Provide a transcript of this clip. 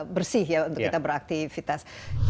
bersih ya untuk kita beraktivitas